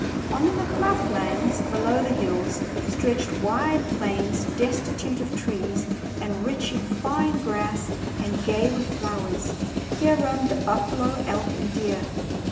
On the flat lands below the hills stretched wide plains destitute of trees and rich in fine grass and gay with flowers. Here roamed the buffalo, elk, and deer.